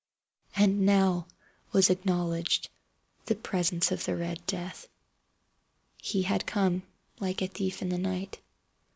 And now was acknowledged the presence of the Red Death. He had come like a thief in the night.